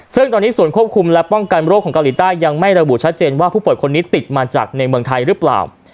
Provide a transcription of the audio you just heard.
ซึ่งตอนนี้ส่วนควบคุมและป้องกันโรคของเกาหลีใต้ยังไม่ระบุชัดเจนว่าผู้ป่วยคนนี้ติดมาจากในเมืองไทยหรือเปล่า